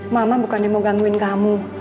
mama bukan dia mau gangguin kamu